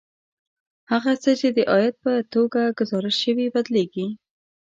هغه څه چې د عاید په توګه ګزارش شوي بدلېږي